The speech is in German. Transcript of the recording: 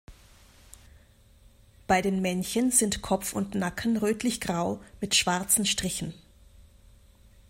Bei den Männchen sind Kopf und Nacken rötlichgrau mit schwarzen Strichen.